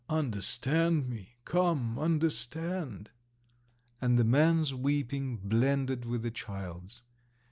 "Understand me! Come, understand!" And the man's weeping blended with the child's.